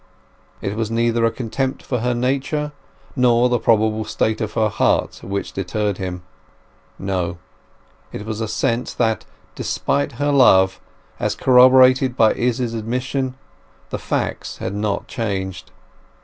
It was neither a contempt for her nature, nor the probable state of her heart, which deterred him. No; it was a sense that, despite her love, as corroborated by Izz's admission, the facts had not changed.